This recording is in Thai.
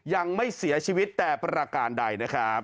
ยังไม่เสียชีวิตแต่ประการใดนะครับ